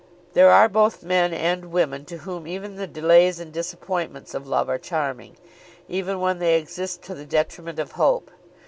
There are both men and women to whom even the delays and disappointments of love are charming, even when they exist to the detriment of hope.